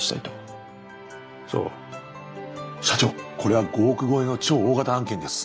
社長これは５億超えの超大型案件です。